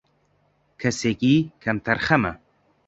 کەسێکی کەم تەرخەمە